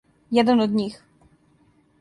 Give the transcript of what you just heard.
Један од њих!